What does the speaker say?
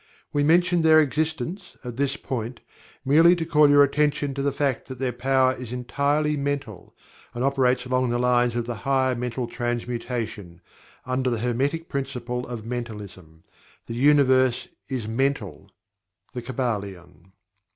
We mention their existence, at this point, merely to call your attention to the fact that their power is entirely Mental, and operates along the lines of the higher Mental Transmutation, under the Hermetic Principle of Mentalism. "The Universe is Mental" The Kybalion.